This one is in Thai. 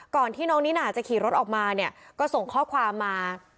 ก่อนที่น้องนิน่าจะขี่รถออกมาก็ส่งข้อความมา